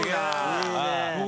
いいね。